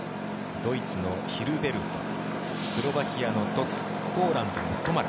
ドイツのヒルベルトスロバキアのトスポーランドのトマラ。